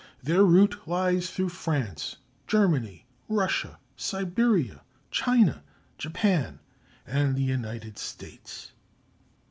Their route lies through France, Germany, Russia, Siberia, China, Japan, and the United States.